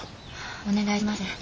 お願いします。